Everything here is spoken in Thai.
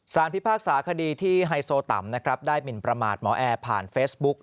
พิพากษาคดีที่ไฮโซต่ำนะครับได้หมินประมาทหมอแอร์ผ่านเฟซบุ๊ก